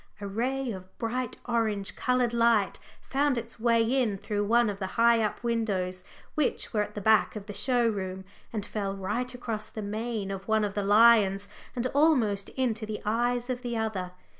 A ray of bright orange coloured light found its way in through one of the high up windows which were at the back of the show room, and fell right across the mane of one of the lions and almost into the eyes of the other.